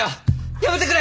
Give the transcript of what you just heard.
やめてくれ！